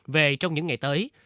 về trong những ngày tới